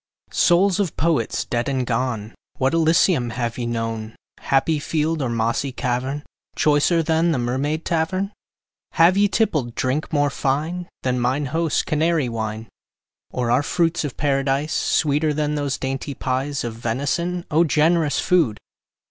Souls of Poets dead and gone, What Elysium have ye known, Happy field or mossy cavern, Choicer than the Mermaid Tavern? Have ye tippled drink more fine Than mine host's Canary wine? Or are fruits of Paradise Sweeter than those dainty pies Of venison? O generous food!